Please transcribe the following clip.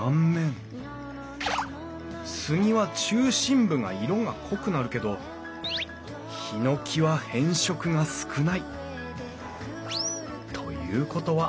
スギは中心部が色が濃くなるけどヒノキは変色が少ない。ということは！